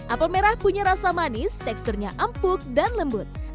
apel merah punya rasa manis teksturnya empuk dan lembut